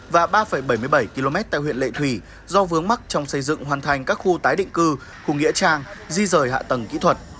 và ba bảy mươi bảy km tại huyện lệ thủy do vướng mắc trong xây dựng hoàn thành các khu tái định cư khu nghĩa trang di rời hạ tầng kỹ thuật